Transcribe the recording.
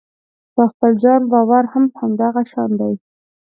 په خپل ځان باور هم همدغه شان دی.